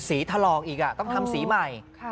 สีทรองอีกต้องทำสีใหม่